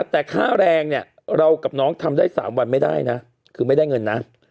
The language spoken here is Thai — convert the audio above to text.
แต่ค่าแรงเนี่ยเรากับน้องทำได้๓วันไม่ได้นะคือไม่ได้เงินนะ